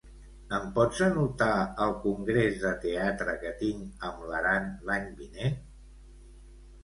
Em pots anotar el congrés de teatre que tinc amb l'Aran l'any vinent?